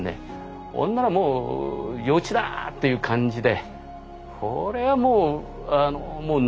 ほんならもう夜討ちだ！という感じで。